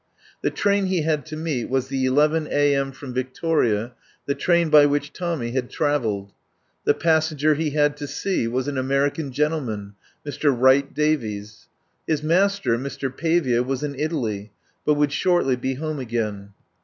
The train he had to meet was the n a. m. from Victoria, the train by which Tommy had travelled. The passenger he had to see was an American gentleman, Mr. Wright Davies. His master, Mr. Pavia, was in Italy, but would shortly be home again.